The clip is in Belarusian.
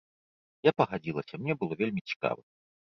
Я пагадзілася, мне было вельмі цікава.